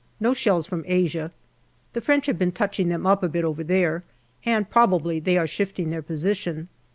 No shells from Asia. The French have been touching them up a bit over there, and probably they are shifting their position.